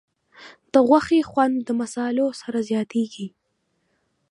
د غوښې خوند د مصالحو سره زیاتېږي.